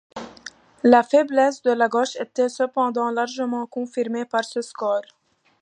La faiblesse de la gauche était cependant largement confirmée par ce score.